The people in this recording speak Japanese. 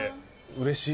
うれしい。